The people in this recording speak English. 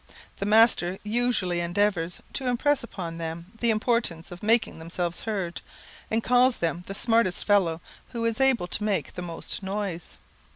The master usually endeavours to impress upon them the importance of making themselves heard, and calls him the smartest fellow who is able to make the most noise.